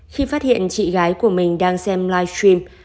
khi phát hiện chị gái của mình đang xem live stream